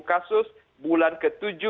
kasus bulan ke tujuh